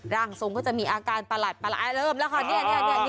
ร่างทรงก็จะมีอาการประหลาดเริ่มแล้วค่ะเนี่ย